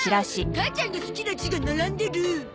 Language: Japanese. おお母ちゃんが好きな字が並んでる。